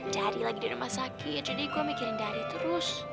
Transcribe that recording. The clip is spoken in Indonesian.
cari lagi di rumah sakit jadi gue mikirin dari terus